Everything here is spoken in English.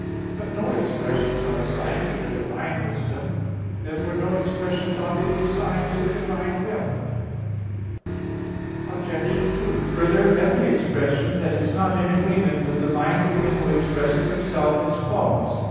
But no expressions are assigned to the divine wisdom. Therefore no expressions ought to be assigned to the divine will. Obj. 2: Further, every expression that is not in agreement with the mind of him who expresses himself, is false.